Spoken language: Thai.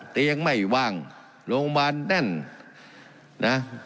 เตียงไม่บ้างโรคโรคบ้านแน่นนะ